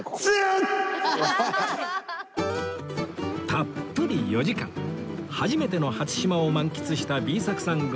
たっぷり４時間初めての初島を満喫した Ｂ 作さんご夫婦